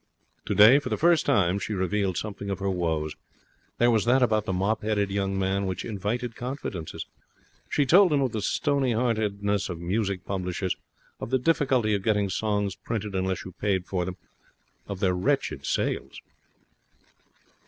Today, for the first time, she revealed something of her woes. There was that about the mop headed young man which invited confidences. She told him of the stony heartedness of music publishers, of the difficulty of getting songs printed unless you paid for them, of their wretched sales.